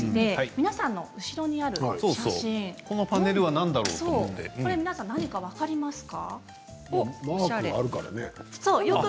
皆さんの後ろにある写真何か分かりますか？